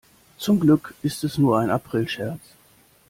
Zum Glück ist es nur ein Aprilscherz.